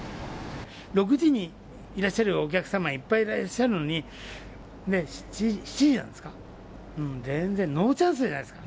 ６時にいらっしゃるお客様、いっぱいいらっしゃるのに、ね、７時なんですか？